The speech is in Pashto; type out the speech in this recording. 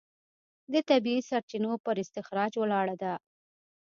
د طبیعي سرچینو پر استخراج ولاړه ده.